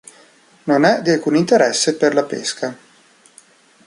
Non è di alcun interesse per la pesca.